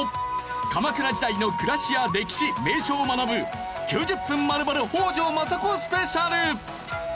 鎌倉時代の暮らしや歴史名所を学ぶ９０分まるまる北条政子スペシャル！